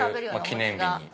記念日に。